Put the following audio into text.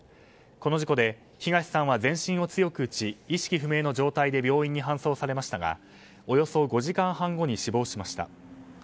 この事故で、東さんは全身を強く打ち意識不明の状態で病院に搬送されましたがおよそ５時間半後に死亡しました。